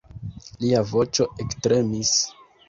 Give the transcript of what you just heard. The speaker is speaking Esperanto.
Lia voĉo ektremis.